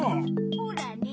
ほらね。